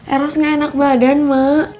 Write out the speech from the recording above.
eros nggak enak badan mak